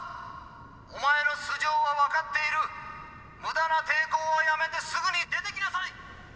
「お前の素性はわかっている」「無駄な抵抗はやめてすぐに出てきなさい！」